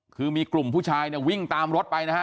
คือมีกลุ่มผู้ชายเนี่ยวิ่งตามรถไปนะฮะ